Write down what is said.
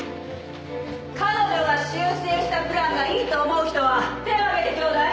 彼女が修正したプランがいいと思う人は手を挙げてちょうだい。